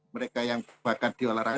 mereka yang bakat di olahraga